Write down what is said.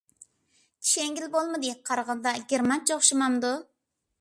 چۈشەنگىلى بولمىدى. قارىغاندا گېرمانچە ئوخشىمامدۇ؟